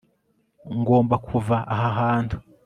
ngomba kuva aha hantu